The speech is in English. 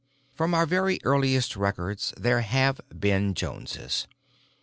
"From our very earliest records there have been Joneses.